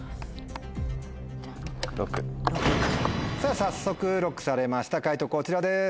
早速ＬＯＣＫされました解答こちらです。